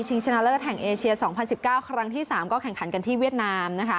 ชิงชะนาเลอร์แทงเอเชีย๒๐๑๙ครั้งที่๓ก็แข่งขันกันที่เวียดนาม